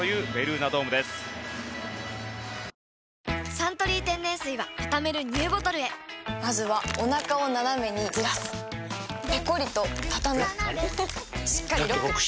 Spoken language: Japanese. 「サントリー天然水」はたためるＮＥＷボトルへまずはおなかをナナメにずらすペコリ！とたたむしっかりロック！